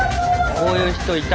こういう人いた。